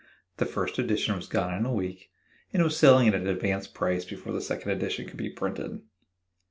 The first edition was gone in a week and was selling at an advanced price before the second edition could be printed.